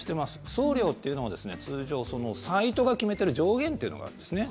送料というのは通常サイトが決めている上限というのがあるんですね。